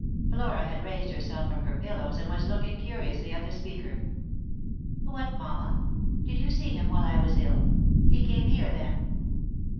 Flora had raised herself from her pillows and was looking curiously at the speaker. "What, mamma? Did you see him while I was ill? He came here, then?"